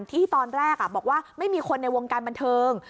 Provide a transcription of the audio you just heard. ที่ตอนแรกบอกว่าไม่มีคนในวงการบันเทิง